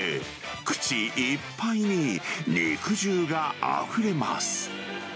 口いっぱいに肉汁があふれます。